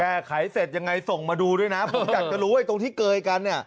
เสร็จยังไงส่งมาดูด้วยนะผมอยากจะรู้ว่าตรงที่เกยกันเนี่ย